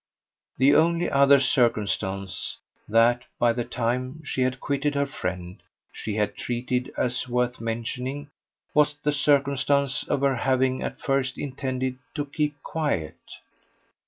The only other circumstance that, by the time she had quitted her friend, she had treated as worth mentioning was the circumstance of her having at first intended to keep quiet.